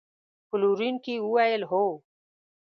پلورونکي وویل: هو.